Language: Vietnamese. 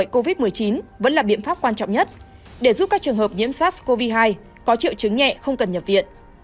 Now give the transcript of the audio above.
covid một mươi chín vẫn là biện pháp quan trọng nhất để giúp các trường hợp nhiễm sars cov hai có triệu chứng nhẹ không cần nhập viện